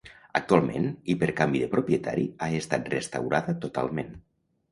Actualment i per canvi de propietari ha estat restaurada totalment.